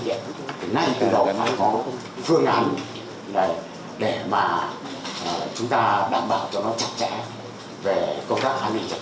nên tôi đồng ý có phương án để mà chúng ta đảm bảo cho nó chặt chẽ về công tác an ninh chắc chắn